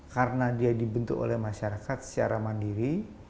karena dia dibentuk oleh masyarakat secara mandiri